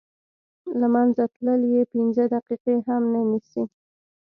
له منځه تلل یې پنځه دقیقې هم نه نیسي.